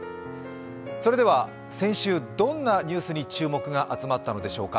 それでは先週、どんなニュースに注目が集まったのでしょうか。